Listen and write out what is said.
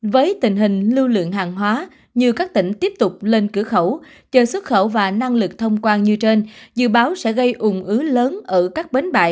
với tình hình lưu lượng hàng hóa như các tỉnh tiếp tục lên cửa khẩu chờ xuất khẩu và năng lực thông quan như trên dự báo sẽ gây ủng ứ lớn ở các bến bãi